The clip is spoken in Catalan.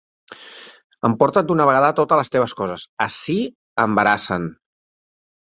Emporta't d'una vegada totes les teves coses: ací embarassen.